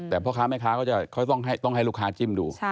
แต่พ่อค้าแม่ค้าเขาจะต้องให้ลูกค้าจิ้มดู